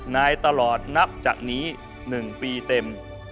ในตลอดนับจากนี้๑ปีเต็ม